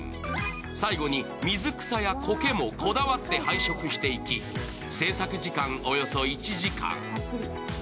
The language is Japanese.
最後に水草やこけもこだわって配植していき制作時間、およそ１時間。